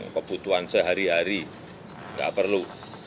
kebutuhan sehari hari nggak perlu